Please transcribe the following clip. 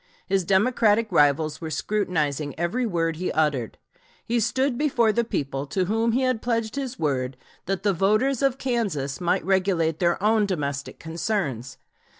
His Democratic rivals were scrutinizing every word he uttered. He stood before the people to whom he had pledged his word that the voters of Kansas might regulate their own domestic concerns.